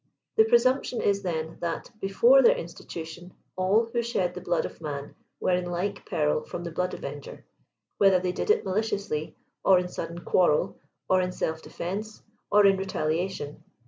The pre sumption is then, that before their institution all who shed the blood of man were in like peril from the blood>avenger, whe . ther they did it maliciously, or in sudden quarrel, or in self de fense, or in retaliation.